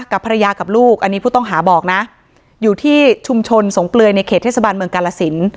กับภรรยากับลูกอันนี้ผู้ต้องหาบอกนะอยู่ที่ชุมชนสงเปลือยในเขตเทศบาลเมืองกาลสิน